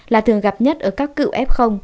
là thường gặp nhất ở các cựu f